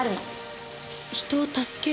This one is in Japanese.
人を助ける？